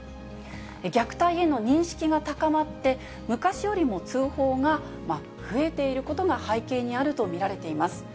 虐待への認識が高まって、昔よりも通報が増えていることが背景にあると見られています。